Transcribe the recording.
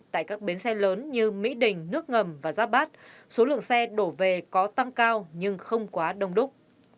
tại các bến xe lớn như mỹ đình nước ngầm và giáp bát số lượng xe đổ về có tăng cao nhưng không quá đông đúc